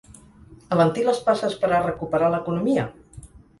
Alentir les passes per a recuperar l’economia?